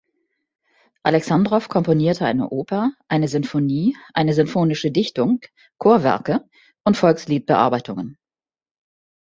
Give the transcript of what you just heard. Alexandrow komponierte eine Oper, eine Sinfonie, eine sinfonische Dichtung, Chorwerke und Volksliedbearbeitungen.